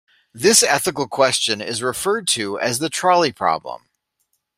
This ethical question is referred to as the trolley problem.